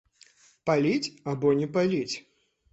Паліць або не паліць?